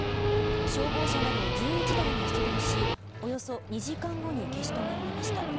消防車など１１台が出動しおよそ２時間後に消し止められました。